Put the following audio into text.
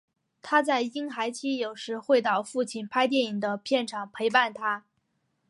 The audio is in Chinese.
她在婴孩期有时会到父亲拍电影的片场陪伴他。